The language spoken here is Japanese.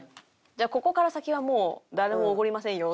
じゃあここから先はもう誰もおごりませんよって。